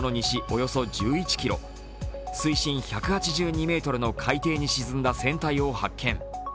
およそ１１ｋｍ、水深１８２ｍの海底に沈んだ船体を発見。